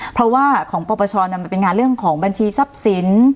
เพราะว่าของปปชมันเป็นงานเรื่องของบัญชีทรัพย์สิน